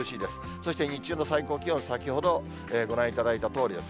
そして日中の最高気温、先ほど、ご覧いただいたとおりです。